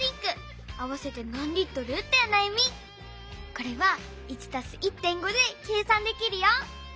これは「１＋１．５」で計算できるよ。